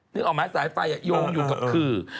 นึกออกไหมสายไฟโยงอยู่กับขื่อ